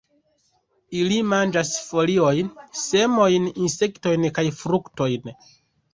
Ili manĝas foliojn, semojn, insektojn kaj fruktojn.